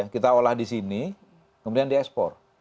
kita olah di sini kemudian diekspor